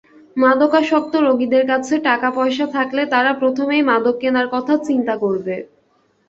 মাদকাসক্ত রোগীদের কাছে টাকাপয়সা থাকলে তারা প্রথমেই মাদক কেনার কথা চিন্তা করবে।